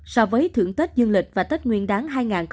so với thưởng tết dương lịch và tết nguyên đáng hai nghìn hai mươi ba